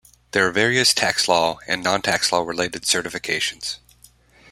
There are various tax law, and non-tax law related certifications.